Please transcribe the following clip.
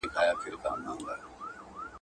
کارګه څوک دی چي پنیر په توره خوله خوري!